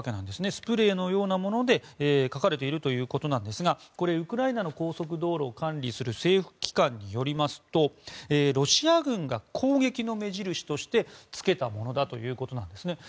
スプレーのようなもので描かれているということですがこれ、ウクライナの高速道路を管理する政府機関によりますとロシア軍が攻撃の目印としてつけたものだということです。